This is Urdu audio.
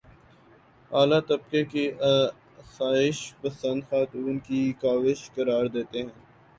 اعلیٰ طبقے کی آسائش پسند خاتون کی کاوش قرار دیتے ہیں